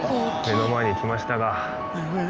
目の前に来ましたがなんじゃ？